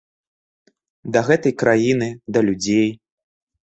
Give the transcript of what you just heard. Да гэтай краіны, да людзей.